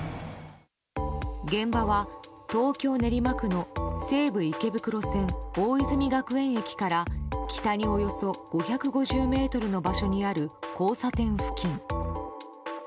現場は、東京・練馬区の西武池袋線大泉学園駅から北におよそ５５０ｍの場所にある交差点付近。